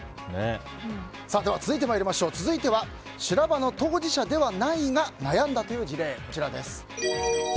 では続いては修羅場の当事者ではないが悩んだという事例です。